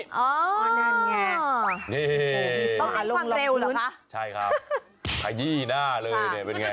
อ๋อนั่นไงต้องมีความเร็วเหรอคะใช่ครับขยี้หน้าเลยเป็นไง